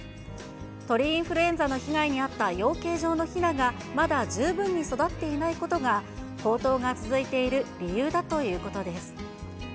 鳥インフルエンザの被害に遭った養鶏場のひながまだ十分に育っていないことが、高騰が続いている理由だということです。